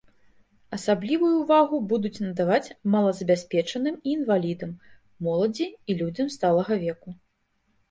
Асаблівую ўвагу будуць надаваць малазабяспечаным і інвалідам, моладзі і людзям сталага веку.